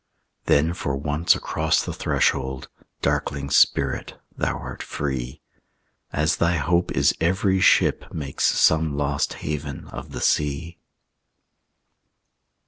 Then for once across the threshold, Darkling spirit, thou art free, As thy hope is every ship makes Some lost haven of the sea.